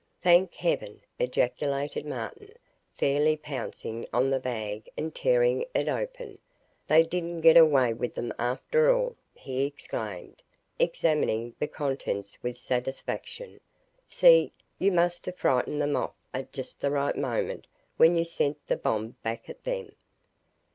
"Thank heaven!" ejaculated Martin, fairly pouncing on the bag and tearing it open. "They didn't get away with them after all!" he exclaimed, examining the contents with satisfaction. "See you must have frightened them off at just the right moment when you sent the bomb back at them."